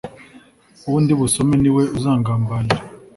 Uwo ndi busome ni we uzangambanira